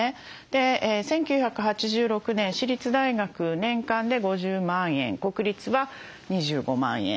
１９８６年私立大学年間で５０万円国立は２５万円。